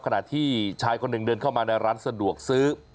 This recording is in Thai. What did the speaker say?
ขณะที่ชายคนหนึ่งเดินเข้ามาในร้านสะดวกซื้อ